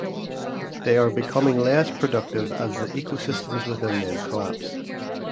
They are becoming less productive as the ecosystems within them collapse.